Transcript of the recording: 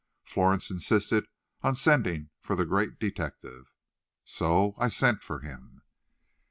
Florence insisted on sending for the great detective. So I sent for him.